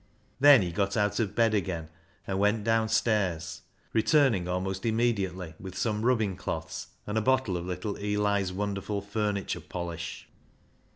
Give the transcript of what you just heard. Then he got out of bed again and went down stairs, returning almost immediately with some rubbing cloths and a bottle of little Eli's won derful furniture polish.